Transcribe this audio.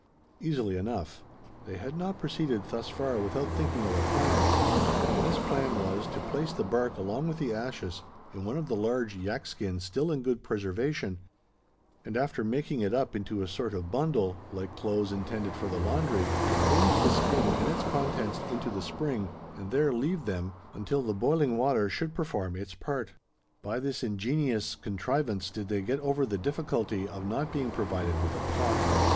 Easily enough. They had not proceeded thus far without thinking of a plan; and this plan was, to place the bark along with the ashes in one of the large yak skins still in good preservation, and after making it up into a sort of bundle like clothes intended for the laundry to plunge the skin and its contents into the spring, and there leave them until the boiling water should perform its part. By this ingenious contrivance, did they get over the difficulty, of not being provided with a not.